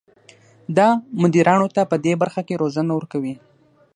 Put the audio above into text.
دا مدیرانو ته پدې برخه کې روزنه ورکوي.